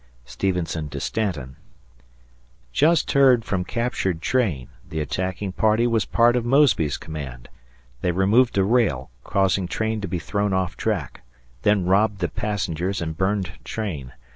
[Stevenson to Stanton] Just heard from captured train. The attacking party was part of Mosby's command. They removed a rail, causing train to be thrown off track, then robbed the passengers and burned train.